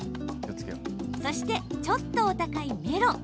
そして、ちょっとお高いメロン。